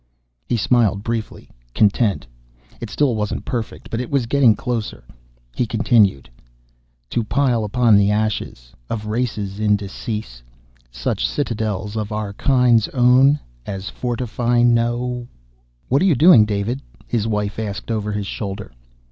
_" He smiled briefly, content. It still wasn't perfect, but it was getting closer. He continued: "_To pile upon the ashes Of races in decease Such citadels of our kind's own As fortify no _" "What are you doing, David?" his wife asked over his shoulder.